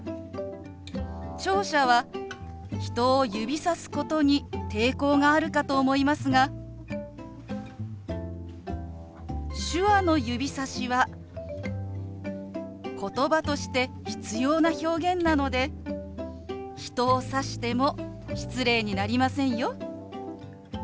聴者は人を指さすことに抵抗があるかと思いますが手話の指さしはことばとして必要な表現なので人を指しても失礼になりませんよ。